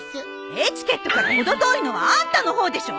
エチケットから程遠いのはあんたの方でしょ！